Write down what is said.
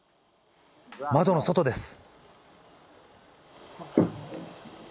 窓の外です。